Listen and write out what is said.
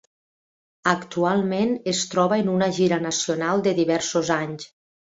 Actualment es troba en una gira nacional de diversos anys.